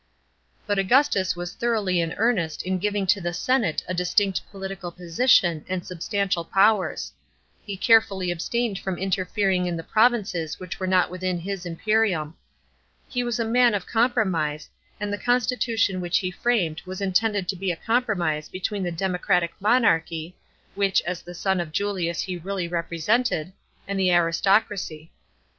But Augustus was thoroughly in earnest in giving to the senate a distinct political position and substantial powers. He carefully abstained from interfering in the provinces which were not within his imperium. He was a man of com promise, and the constitution which he framed was intended to be a compromise between the democratic monarchy, which as the son of Julius he really represented, and the aristocracy.